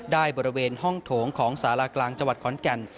บริเวณห้องโถงของสารากลางจังหวัดขอนแก่น